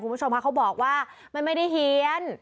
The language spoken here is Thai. คุณผู้ชมค่ะเขาบอกว่ามันไม่ได้เฮียน